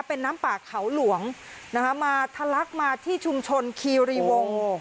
เป็นน้ำป่าเขาหลวงนะคะมาทะลักมาที่ชุมชนคีรีวง